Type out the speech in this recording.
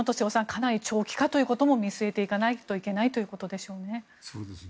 かなり長期化ということも見据えていかないといけないということでしょうね。